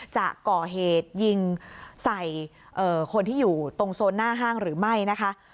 จะก่อเหตุยิงใส่คนที่อยู่ตรงโซนหน้าห้างหรือไม่นะคะ